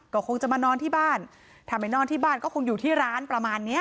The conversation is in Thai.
ก็คงจะมานอนที่บ้านถ้าไปนอนที่บ้านก็คงอยู่ที่ร้านประมาณเนี้ย